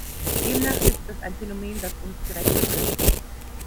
Demnach ist es ein Phänomen, das uns direkt betrifft.